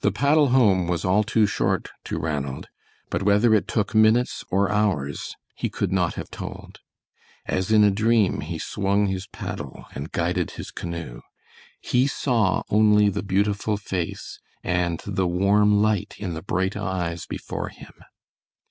The paddle home was all too short to Ranald, but whether it took minutes or hours he could not have told. As in a dream he swung his paddle and guided his canoe. He saw only the beautiful face and the warm light in the bright eyes before him.